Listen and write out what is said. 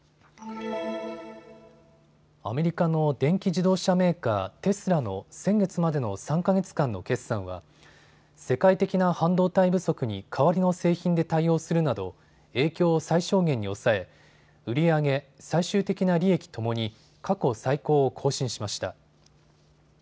アメリカの電気自動車メーカー、テスラの先月までの３か月間の決算は世界的な半導体不足に代わりの製品で対応するなど影響を最小限に抑え売り上げ、最終的な利益ともに過去最高を更新しました。